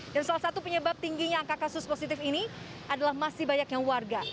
dan salah satu penyebab tingginya angka kasus positif ini adalah masih banyak yang warga